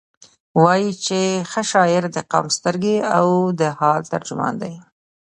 وایي چې ښه شاعر د قوم سترګې او د حال ترجمان دی.